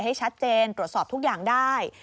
ให้ชัดเจนตรวจสอบทุกอย่างได้